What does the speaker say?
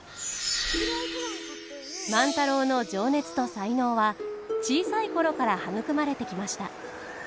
万太郎の情熱と才能は小さい頃から育まれてきました。